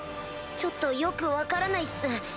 ちょっとよく分からないっす。